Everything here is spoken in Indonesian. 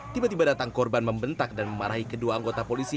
tiba tiba datang korban membentak dan memarahi kedua anggota polisi